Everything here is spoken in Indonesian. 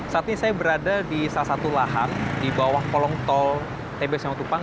saat ini saya berada di salah satu lahan di bawah kolong tol tbs nyawa tupang